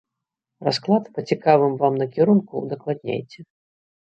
Расклад па цікавым вам накірунку ўдакладняйце.